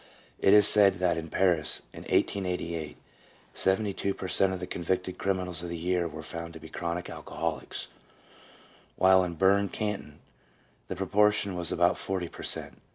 It is said that in Paris, in 1888, 72 per cent, of the convicted criminals of the year were found to be chronic alcoholics, while in Berne Canton the proportion was about 40 per cent.